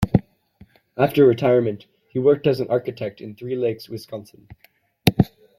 After retirement he worked as an architect in Three Lakes, Wisconsin.